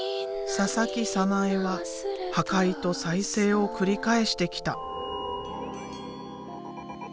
佐々木早苗は破壊と再生を繰り返してきた。